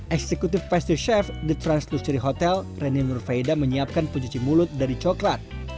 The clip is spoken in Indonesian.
eksekutif pastry chef the translucery hotel reni nurfaida menyiapkan pencuci mulut dari coklat